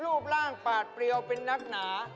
รูปร่างปาดเปรียวเป็นนักหนา